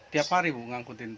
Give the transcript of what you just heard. tiap hari bu ngangkutin